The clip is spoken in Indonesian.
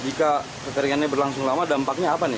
jika kekeringannya berlangsung lama dampaknya apa nih